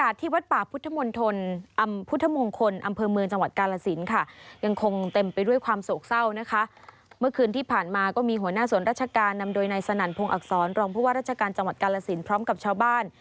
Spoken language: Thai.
สอนรองผู้ว่าราชการจังหวัดกาลสินทร์พร้อมกับชาวบ้าน